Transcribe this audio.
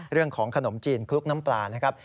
เรื่องของขนมจีนคลุกน้ำปลานะครับ